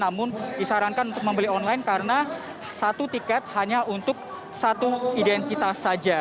namun disarankan untuk membeli online karena satu tiket hanya untuk satu identitas saja